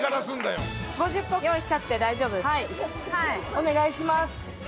お願いします。